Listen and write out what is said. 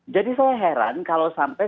jadi saya heran kalau sampai